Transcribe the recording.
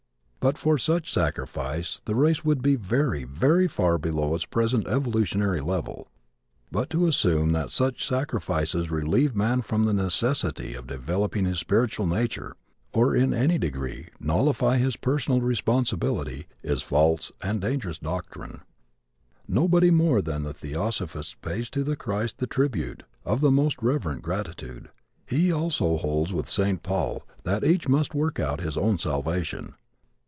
But for such sacrifice the race would be very, very far below its present evolutionary level. But to assume that such sacrifices relieve man from the necessity of developing his spiritual nature or in any degree nullify his personal responsibility is false and dangerous doctrine. Nobody more than the theosophist pays to the Christ the tribute of the most reverent gratitude. He also holds with St. Paul that each must work out his own salvation.